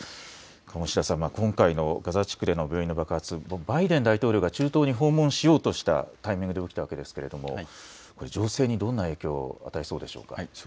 鴨志田さん、今回のガザ地区での病院の爆発、バイデン大統領が中東に訪問しようとしたタイミングで起きたわけですけれど、情勢にどんな影響を与えそうでしょうか。